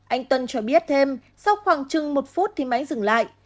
anh tuân cho biết thêm sau khoảng chừng một phút thì máy dừng lại